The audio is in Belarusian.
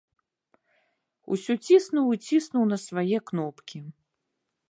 Усё ціснуў і ціснуў на свае кнопкі.